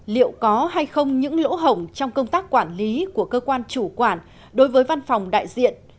liệu có hay không những lỗ hồng trong công tác quản lý của cơ quan chủ quản đối với văn phòng đại diện